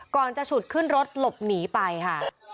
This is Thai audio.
ก่อนจะฉุดขึ้นรถหลบหนีไปค่ะ